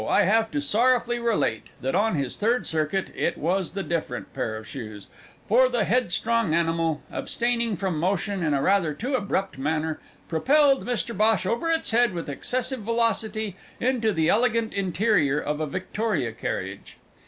I have to sorrowfully relate that, on his third circuit, it was the different pair of shoes for the headstrong animal, abstaining from motion in a rather too abrupt manner, propelled Mr Bhosh over its head with excessive velocity into the elegant interior of a victoria carriage.